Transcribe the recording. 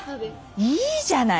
いいじゃない。